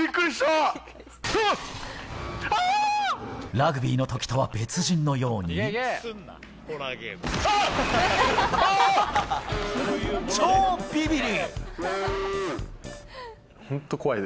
ラグビーのときとは別人のように、超ビビリ。